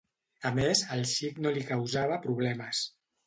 A més, el xic no li causava problemes.